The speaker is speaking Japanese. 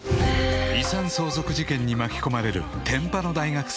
［遺産相続事件に巻き込まれる天パの大学生］